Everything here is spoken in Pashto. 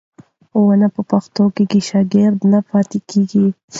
ښوونه په پښتو کېږي، شاګرد نه پاتې کېږي.